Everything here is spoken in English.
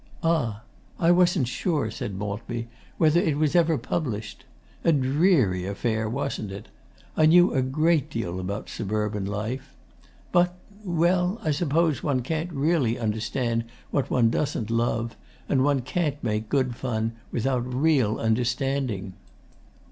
'Ah; I wasn't sure,' said Maltby, 'whether it was ever published. A dreary affair, wasn't it? I knew a great deal about suburban life. But well, I suppose one can't really understand what one doesn't love, and one can't make good fun without real understanding.